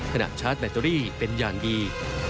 ชาร์จแบตเตอรี่เป็นอย่างดี